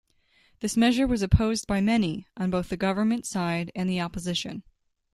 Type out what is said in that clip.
This measure was opposed by many on both the government side and the opposition.